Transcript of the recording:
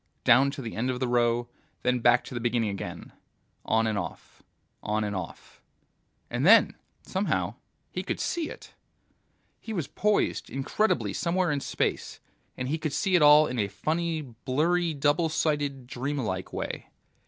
down to the end of the row, then back to the beginning again, on and off, on and off ... And then, somehow, he could see it! He was poised incredibly somewhere in space, and he could see it all in a funny, blurry double sighted, dream like way.